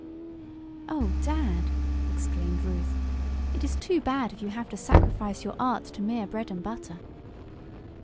"Oh, Dad!" exclaimed Ruth. "It is too bad if you have to sacrifice your art to mere bread and butter."